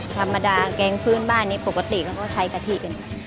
ธรรมดาแกงพื้นบ้านนี้ปกติก็ใช้กะทิกัน